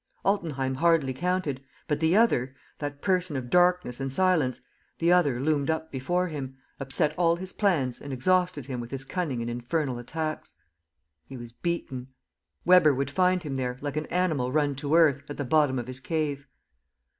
Altenheim hardly counted. But the other, that person of darkness and silence, the other loomed up before him, upset all his plans and exhausted him with his cunning and infernal attacks. He was beaten. Weber would find him there, like an animal run to earth, at the bottom of his cave.